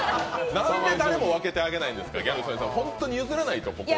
なんで誰も分けてあげないんですか、本当に譲らないと、ここは。